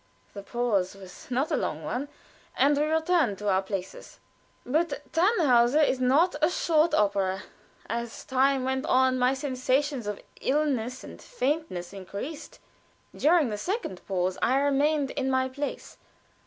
The pause was not a long one, and we returned to our places. But "Tannhauser" is not a short opera. As time went on my sensations of illness and faintness increased. During the second pause I remained in my place.